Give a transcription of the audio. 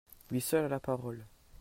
Lui seul a la parole.